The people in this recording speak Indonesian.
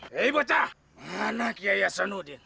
hei bota dimana kiyai hasanuddin